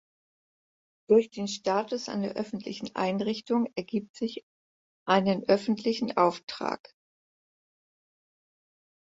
Durch den Status einer öffentlichen Einrichtung ergibt sich einen öffentlichen Auftrag.